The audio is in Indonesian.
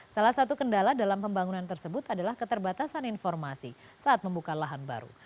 salah satu kendala dalam pembangunan tersebut adalah keterbatasan informasi saat membuka lahan baru